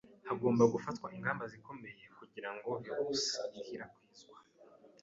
Hagomba gufatwa ingamba zikomeye kugira ngo virusi ikwirakwizwa.